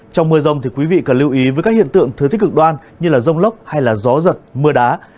trong mưa rông thì quý vị cần lưu ý với các hiện tượng thừa tích cực đoan như rông lốc hay gió giật mưa đá